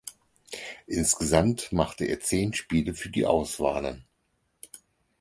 Insgesamt machte er zehn Spiele für die Auswahlen.